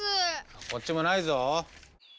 こっちもないぞ。